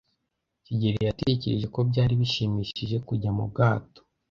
kigeli yatekereje ko byari bishimishije kujya mu bwato.